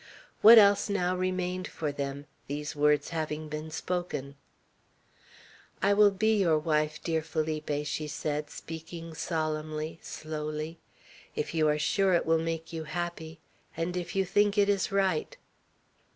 What else now remained for them, these words having been spoken? "I will be your wife, dear Felipe," she said, speaking solemnly, slowly, "if you are sure it will make you happy, and if you think it is right."